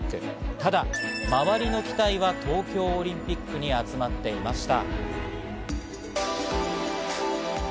ただ周りの期待は東京オリンピックに集まっていました。